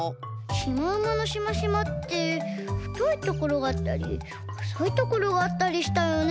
シマウマのシマシマってふといところがあったりほそいところがあったりしたよね。